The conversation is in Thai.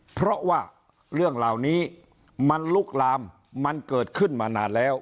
เพราะว่าเรื่องเหล่านี้มันลุกลามมันเกิดขึ้นมานานแล้ว